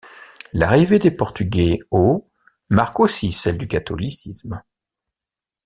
L'arrivée des Portugais au marque aussi celle du catholicisme.